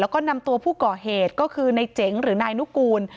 แล้วก็นำตัวผู้ก่อเหตุก็คือในเจ๋งหรือนายนุกูล